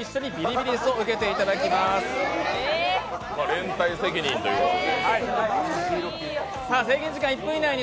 連帯責任ということで。